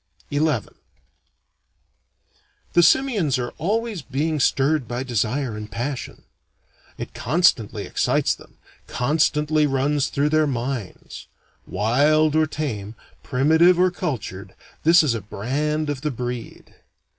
XI The simians are always being stirred by desire and passion. It constantly excites them, constantly runs through their minds. Wild or tame, primitive or cultured, this is a brand of the breed.